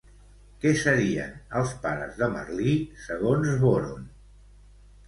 Què serien els pares de Merlí segons Boron?